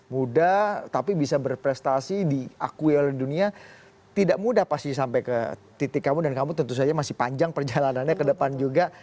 muda tapi bisa berprestasi diakui oleh dunia tidak mudah pasti sampai ke titik kamu dan kamu tentu saja masih panjang perjalanannya ke depan juga